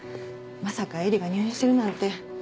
まさか絵理が入院してるなんて。